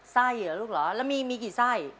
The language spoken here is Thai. ไส้เหรอลูกเหรอแล้วมีมีกี่ไส้